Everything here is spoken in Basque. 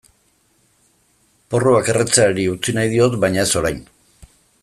Porruak erretzeari utzi nahi diot baina ez orain.